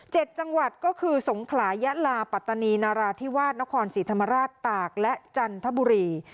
จังหวัดก็คือสงขลายะลาปัตตานีนาราธิวาสนครศรีธรรมราชตากและจันทบุรี